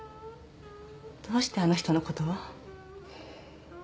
どうしてあの人のことを？